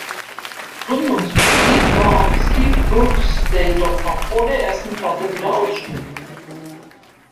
Gründungsmitglied war auch Steve Brookes, der jedoch noch vor der ersten Platte wieder ausstieg.